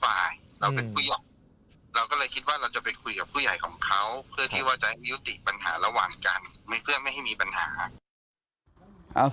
เพื่อที่ว่าจะให้มีอุติปัญหาระหว่างกันไม่เพื่อไม่ให้มีปัญหา